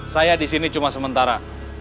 saya disini cuma sementara